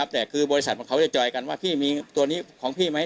แต่คือบริษัทของเขาจะจอยกันว่าพี่มีตัวนี้ของพี่ไหม